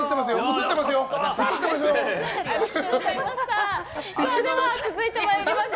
映ってますよ！